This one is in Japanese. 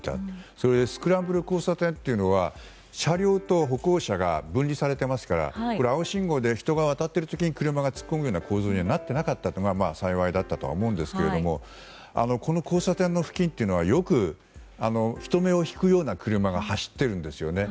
それでスクランブル交差点は車両と歩行者が分離されていますから青信号で人が渡っている時に車が突っ込むような構図にはなっていなかったというのが幸いだったと思うんですがこの交差点の付近というのはよく人目を引くような車が走っているんですよね。